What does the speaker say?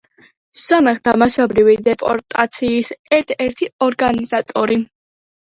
სომეხთა მასობრივი დეპორტაციის ერთ-ერთი ორგანიზატორი.